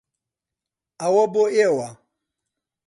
ئەوە بۆ ئێوە.